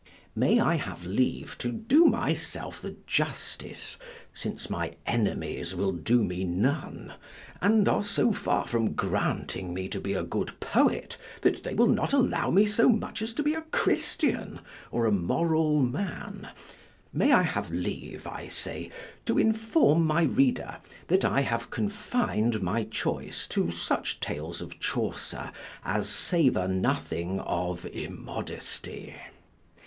May I have leave to do myself the justice since my enemies will do me none, and are so far from granting me to be a good poet, that they will not allow me so much as to be a Christian, or a moral man may I have leave, I say, to inform my reader that I have confin'd my choice to such tales of Chaucer as savor nothing of immodesty.